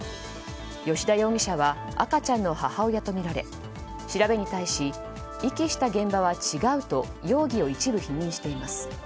吉田容疑者は赤ちゃんの母親とみられ調べに対し遺棄した現場は違うと容疑を一部、否認しています。